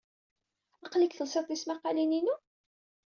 Aql-ik telsid tismaqqalin-inu?